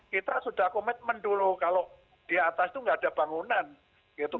kita sudah komitmen dulu kalau di atas itu nggak ada bangunan gitu